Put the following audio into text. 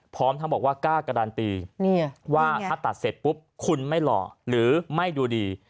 พร้อมทั้งบอกว่ากล้าการันตีว่าถ้าตัดเสร็จปุ๊บคุณไม่หล่อหรือไม่ดูดี